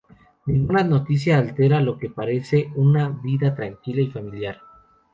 Ninguna noticia altera lo que parece una vida tranquila y familiar.